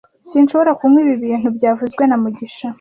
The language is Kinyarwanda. Sinshobora kunywa ibi bintu byavuzwe na mugisha